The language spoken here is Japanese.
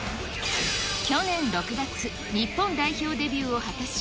去年６月、日本代表デビューを果たし、